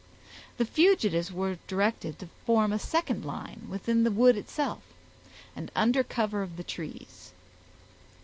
The fugitives were directed to form a second line within the wood itself, and under cover of the trees.